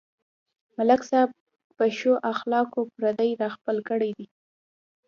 ملک صاحب په ښو اخلاقو پردي راخپل کړي دي.